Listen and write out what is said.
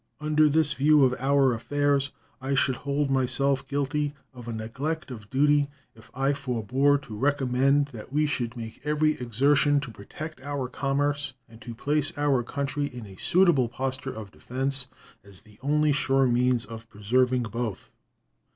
Under this view of our affairs, I should hold myself guilty of a neglect of duty if I forbore to recommend that we should make every exertion to protect our commerce and to place our country in a suitable posture of defense as the only sure means of preserving both.